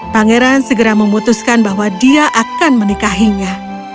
pangeran segera memutuskan bahwa dia akan menikahinya